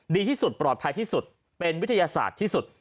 ดีที่สุดปลอดภัยที่สุดเป็นวิทยาศาสตร์ที่สุด